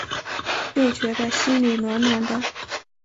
就觉得心里暖暖的